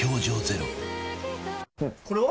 これは？